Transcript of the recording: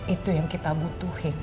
itu yang kita butuhin